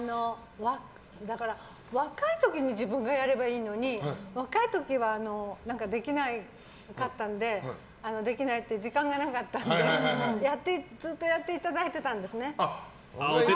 若い時に自分がやればいいのに若い時はできなかったのでできないというか時間がなかったのでずっとやっていただいてたんですね。